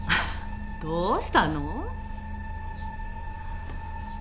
どうしたの？